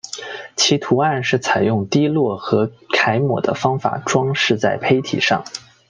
其图案是采用滴落和揩抹的方法装饰在坯体上。